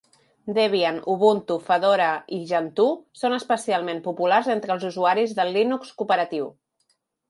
Debian, Ubuntu, Fedora i Gentoo són especialment populars entre els usuaris del Linux cooperatiu.